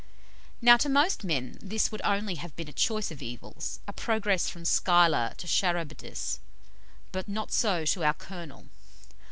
Now to most men this would only have been a choice of evils, a progress from Scylla to Charybdis: not so to our Colonel.